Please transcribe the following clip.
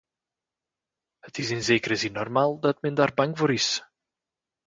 Het is in zekere zin normaal dat men daar bang voor is.